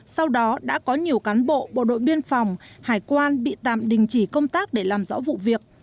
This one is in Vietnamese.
sau đó đã có nhiều cán bộ bộ đội biên phòng hải quan bị tạm đình chỉ công tác để làm rõ vụ việc